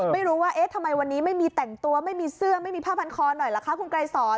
ไม่รู้ว่าเอ๊ะทำไมวันนี้ไม่มีแต่งตัวไม่มีเสื้อไม่มีผ้าพันคอหน่อยล่ะคะคุณไกรสอน